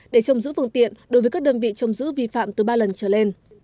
để chống giữ phương tiện đối với các đơn vị chống giữ vi phạm từ ba lần trở lên